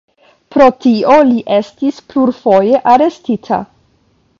Pro tio li estis plurfoje arestita.